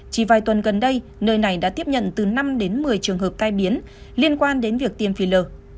chỉ vài tuần gần đây nơi này đã tiếp nhận từ năm đến một mươi trường hợp tai biến liên quan đến việc tiêm phi lờ